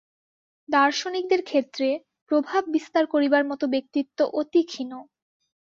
দার্শনিকদের ক্ষেত্রে প্রভাব বিস্তার করিবার মত ব্যক্তিত্ব অতি ক্ষীণ।